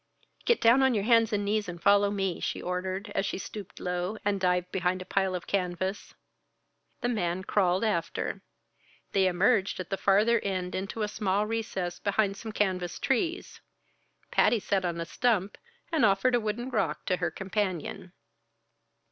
"Get down on your hands and knees and follow me," she ordered, as she stooped low and dived behind a pile of canvas. The man crawled after. They emerged at the farther end into a small recess behind some canvas trees. Patty sat on a stump and offered a wooden rock to her companion.